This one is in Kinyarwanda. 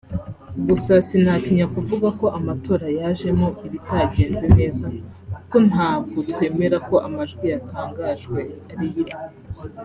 Gusa sinatinya kuvuga ko amatora yajemo ibitagenze neza kuko ntabwo twemera ko amajwi yatangajwe ariyo